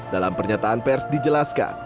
dalam pernyataan pers dijelaskan